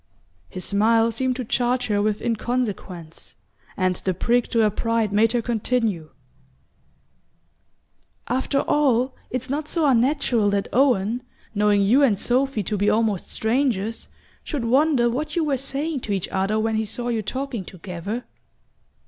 His smile seemed to charge her with inconsequence, and the prick to her pride made her continue: "After all, it's not so unnatural that Owen, knowing you and Sophy to be almost strangers, should wonder what you were saying to each other when he saw you talking together."